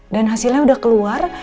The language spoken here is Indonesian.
dan hasilnya udah keluar